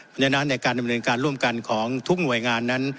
เพราะฉะนั้นในการดำเนินการร่วมกันของทุกหน่วยงานนั้น